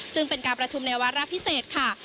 ซึ่งเป็นการประชุมในวาระพิเศษค่ะ